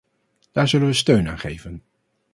Daar zullen we steun aan geven.